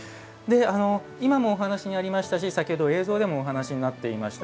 今もお話にありましたし先ほど映像でもお話になっていました。